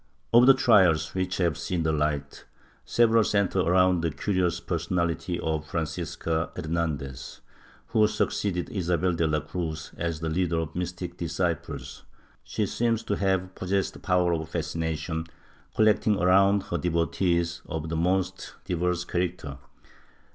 Of the trials which have seen the light several centre around the curious personality of Francisca Hernandez, who succeeded Isabel de la Cruz as the leader of the mystic disciples. She seems to have possessed powers of fascination, collecting around her devotees of the most diverse character.